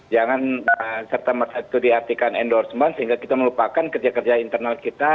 jangan serta merta itu diartikan endorsement sehingga kita melupakan kerja kerja internal kita